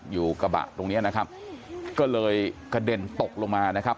อยู่กระบะตรงเนี้ยนะครับก็เลยกระเด็นตกลงมานะครับ